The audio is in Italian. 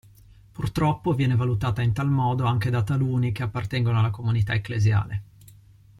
Purtroppo, viene valutata in tal modo anche da taluni che appartengono alla comunità ecclesiale.